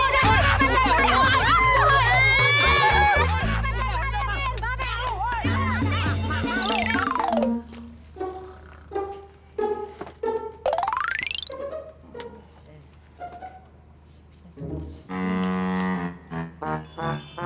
udah udah udah